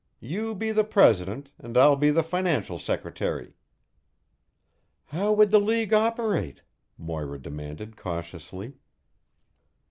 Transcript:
You be the president, and I'll be the financial secretary." "How would the league operate?" Moira demanded cautiously.